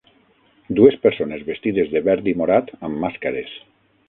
Dues persones vestides de verd i morat amb màscares.